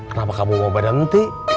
kenapa kamu mau berhenti